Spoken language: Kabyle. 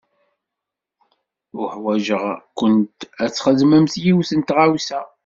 Uḥwaǧeɣ-kent ad txedmemt yiwet n tɣawsa.